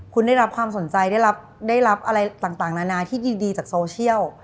คุณได้รับความสนใจได้รับอะไรต่างนานาที่ดีจากโซเชียล